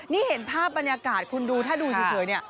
นี่เห็นภาพบรรยากาศคุณดูถ้าดูเฉยเนี่ย